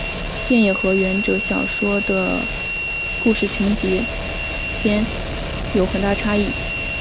电影和原着小说的故事情节间有很大差异。